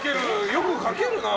よく書けるな。